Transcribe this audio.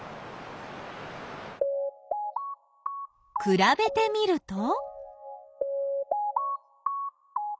くらべてみると？